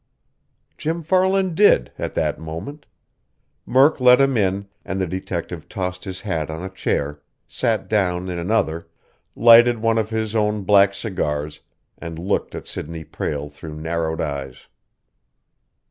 Jim Farland did, at that moment. Murk let him in, and the detective tossed his hat on a chair, sat down in another, lighted one of his own black cigars, and looked at Sidney Prale through narrowed eyes.